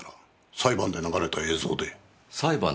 裁判で流れた映像。